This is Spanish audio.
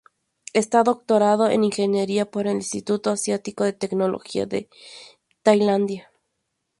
Está doctorado en ingeniería por el Instituto Asiático de Tecnología de Tailandia.